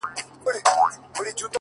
خدايه هغه داسي نه وه ـ